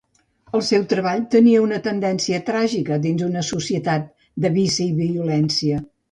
El seu treball tenia una tendència tràgica, dins d"una societat de vici i violència.